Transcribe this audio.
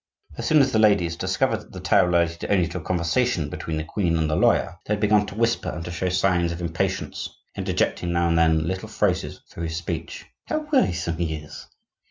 As soon as the ladies discovered that the tale related only to a conversation between the queen and the lawyer, they had begun to whisper and to show signs of impatience,—interjecting, now and then, little phrases through his speech. "How wearisome he is!"